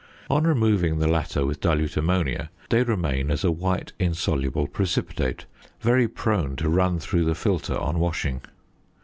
On removing the latter with dilute ammonia they remain as a white insoluble precipitate, very prone to run through the filter on washing.